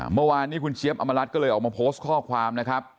เมื่อวานคุณเชียปอำมาตย์รัฐก็เลยออกมาโพสต์ข้อความ